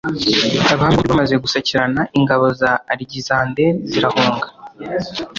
abami bombi bamaze gusakirana, ingabo za alegisanderi zirahunga